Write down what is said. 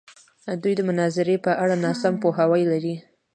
دوی د مناظرې په اړه ناسم پوهاوی لري.